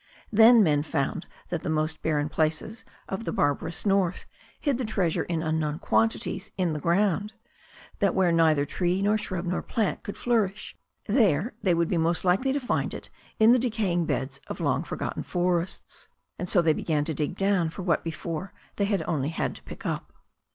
Then men found that the most barren places of the "barbarous north" hid the treasure in unknown quantities in the ground ; that where neither tree, nor shrub, nor plant could flourish there they would most likely find it in the decaying beds of long forgotten forests. And so they began to dig down for what before they had only to pick up.